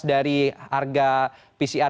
dari harga pcr